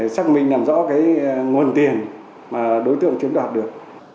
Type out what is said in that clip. xác minh làm rõ cái nguồn tiền mà đối tượng chiếm đoạt được